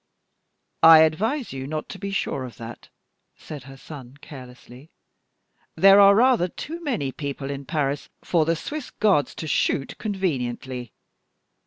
"I advise you not to be sure of that," said her son, carelessly; "there are rather too many people in Paris for the Swiss Guards to shoot conveniently.